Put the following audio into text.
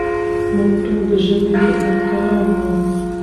موږ ټول د ژبې خدمتګاران یو.